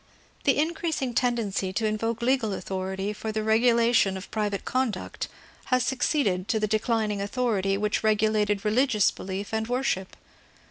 The increasing tendency to invoke legal authority for the regulation of private conduct has succeeded to the MORAL LEGISLATION 437 declining authority which regulated religious belief and wor ship.